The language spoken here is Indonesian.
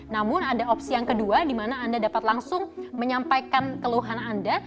namun ada opsi yang kedua di mana anda dapat langsung menyampaikan keluhan anda